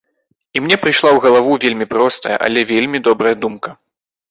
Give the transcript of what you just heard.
І мне прыйшла ў галаву вельмі простая, але вельмі добрая думка.